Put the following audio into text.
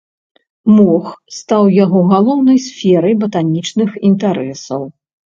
Мох стаў яго галоўнай сферай батанічных інтарэсаў.